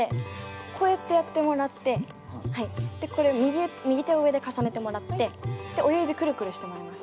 こうやってやってもらってでこれを右手を上で重ねてもらってで親指クルクルしてもらいます。